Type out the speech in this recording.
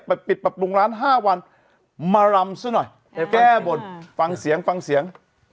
ปิดปรับปรุงร้าน๕วันมารำซะหน่อยไปแก้บนฟังเสียงฟังเสียง